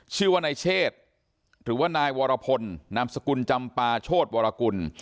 ชื่อว่านายเชษหรือว่านายวรพลนามสกุลจำปาโชธวรกุล